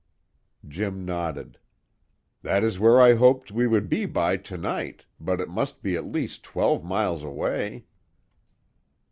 Jim nodded. "That is where I hoped we would be by to night, but it must be at least twelve miles away."